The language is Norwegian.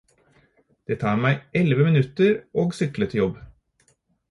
Det tar meg elleve minutter og sykle til jobb